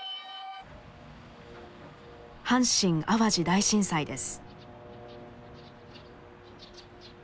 阪神・淡路大震災です。